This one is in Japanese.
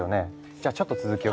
じゃあちょっと続きを。